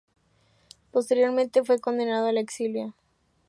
Posteriormente fue condenado al exilio.